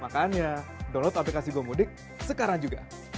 makanya download aplikasi gomudik sekarang juga